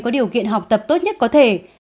có điều kiện học tập tốt nhất có thể